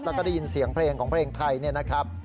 แล้วก็ได้ยินเสียงเพลงของเพลงไทยเนี่ยนะครับ